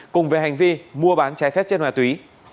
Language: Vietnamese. cùng về hành vi mua bán trái phép chất ma túy